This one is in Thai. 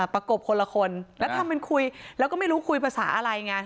ประกบคนละคนแถมเป็นคุยแล้วก็ไม่รู้คุยภาษาอะไรงั้น